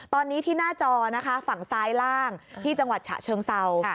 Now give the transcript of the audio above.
ตอนนี้ที่หน้าจอนะคะฝั่งซ้ายล่างที่จังหวัดฉะเชิงเศร้า